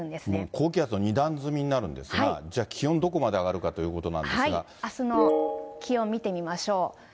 高気圧の二段積みになるんですが、じゃあ、気温どこまで上があすの気温見てみましょう。